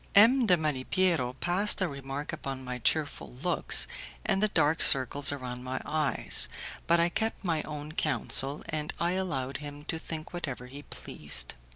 M. de Malipiero passed a remark upon my cheerful looks and the dark circles around my eyes, but I kept my own counsel, and I allowed him to think whatever he pleased.